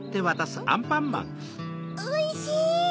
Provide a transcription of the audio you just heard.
おいしい！